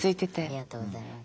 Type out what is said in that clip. ありがとうございます。